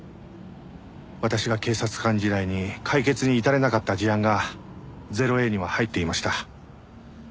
私が警察官時代に解決に至れなかった事案が０−Ａには入っていました。